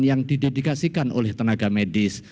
yang didedikasikan oleh tenaga medis